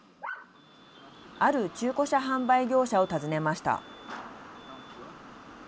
ある中古車販売業者を訪ねました。